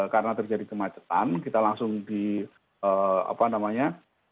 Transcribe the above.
karena terjadi kemacetan kita langsung di apa namanya